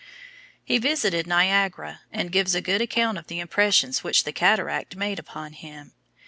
He visited Niagara, and gives a good account of the impressions which the cataract made upon him.